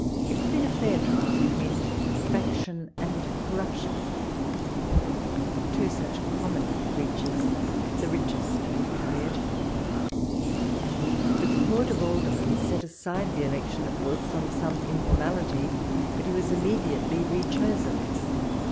It has been a fair trial be tween faction and corruption ; of two such com mon creatures, the richest will carry it. walpole's letters. .139 The Court of Aldermen set aside the election of Wilkes on some informality, but he was im mediately re chosen.